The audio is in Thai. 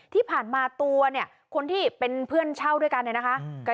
ที่ผ่านมาตัวเนี่ยคนที่เป็นเพื่อนเช่าด้วยกันเนี่ยนะคะ